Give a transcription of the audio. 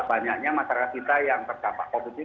banyaknya masyarakat kita yang tercapak covid ini